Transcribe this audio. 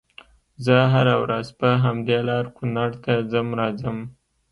زه هره ورځ په همدې لار کونړ ته ځم راځم